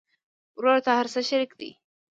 ورور ته هر څه شريک دي.